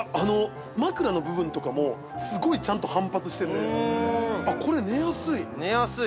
◆枕の部分とかもすごいちゃんと反発してて、これ、寝やすい。